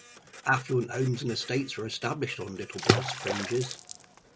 Affluent homes and estates were established on Littleborough's fringes.